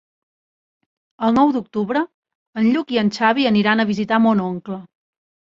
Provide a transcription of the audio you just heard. El nou d'octubre en Lluc i en Xavi aniran a visitar mon oncle.